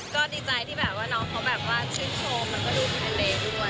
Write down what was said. ก็ดีใจที่แบบว่าน้องเขาแบบว่าชื่นชมแล้วก็ดูทะเลด้วย